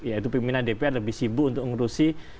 yaitu pimpinan dpr lebih sibuk untuk mengurusi